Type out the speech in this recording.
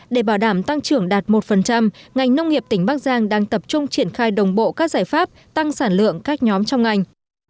để bảo đảm tăng trưởng đạt một ngành nông nghiệp tỉnh bắc giang đang tập trung triển khai đồng bộ các giải pháp tăng sản lượng các nhóm trong ngành